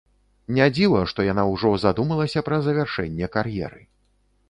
Не дзіва, што яна ўжо задумалася пра завяршэнне кар'еры.